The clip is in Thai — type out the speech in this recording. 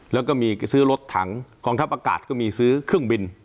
แล้วก็มีซื้อรถถังกองทัพอากาศก็มีซื้อเครื่องบิน